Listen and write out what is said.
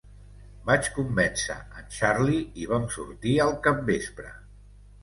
Vaig convèncer en Charley i vam sortir al capvespre.